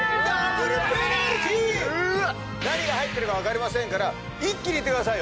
何が入ってるか分かりませんから一気にいってくださいよ。